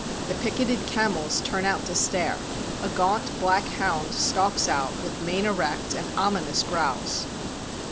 The picketed camels turn out to stare. A gaunt black hound stalks out, with mane erect and ominous growls.